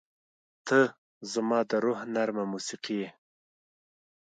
• ته زما د روح نرمه موسیقي یې.